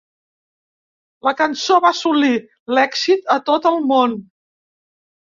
La cançó va assolir l'èxit a tot el món.